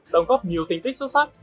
đồng góp nhiều tính tích xuất sắc